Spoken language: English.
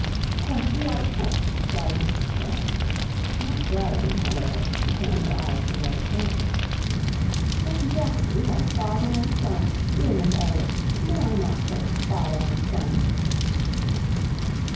"Quite delightful!" cried Mrs Clay, not daring, however, to turn her eyes towards Anne. "Exactly like father and son! Dear Miss Elliot, may I not say father and son?"